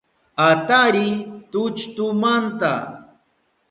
Atariy tulltumanta